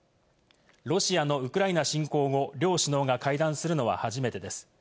ロシアのウクライナ侵攻後、両首脳が会談するのは初めてです。